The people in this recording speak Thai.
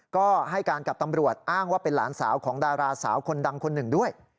ก็ให้การกับตำรวจอ้างว่าเป็นหลานสาวของดาราสาวคนดังคนหนึ่งด้วย